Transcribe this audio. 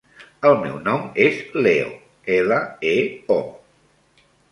El meu nom és Leo: ela, e, o.